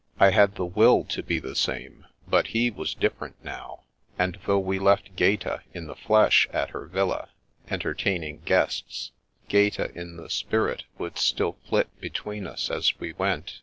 I had the will to be the same, but he was different now; and though we left Gaeta in the flesh at her villa, enter taining guests, Gaeta in the spirit would still flit between us as we went.